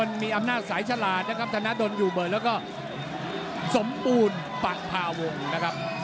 มีอำนาจสายฉลาดนะครับธนดลอยู่เบิร์ดแล้วก็สมบูรณ์ปะพาวงนะครับ